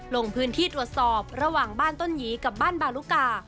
ลงพื้นที่ตรวจสอบระหว่างบ้านต้นหยีกับบ้านบารุกา